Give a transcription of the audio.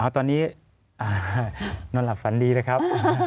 ตอนนี้นอนหลับฝันดีเลยครับ